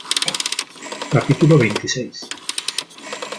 capítulo veintiséis .